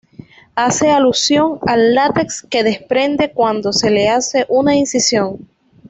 Hace alusión al látex que desprende cuando se le hace una incisión.